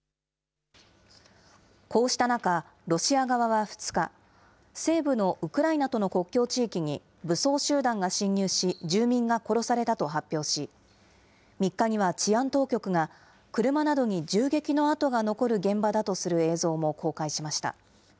こうした中、ロシア側は２日、西部のウクライナとの国境地域に武装集団が侵入し、住民が殺されたと発表し、３日には治安当局が車などに銃撃の痕が残る現場だとする映像も公開しました。